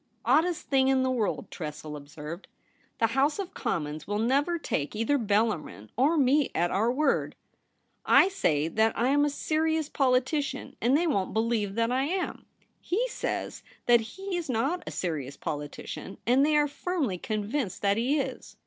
' Oddest thing in the world,' Tressel ob served ;' the House of Commons will never take either Bellarmin or me at our word. / say that I am a serious politician, and they won't believe that I am. /le says that he is not a serious politician, and they are firmly convinced that he is.'